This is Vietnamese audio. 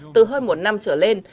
từ hơn một năm trở lên